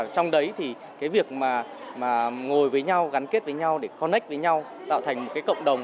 trong đấy việc ngồi với nhau gắn kết với nhau connect với nhau tạo thành một cộng đồng